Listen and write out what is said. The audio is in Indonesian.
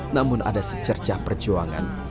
namun ada secercah perjuangan